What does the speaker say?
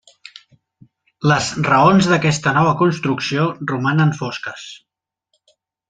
Les raons d'aquesta nova construcció romanen fosques.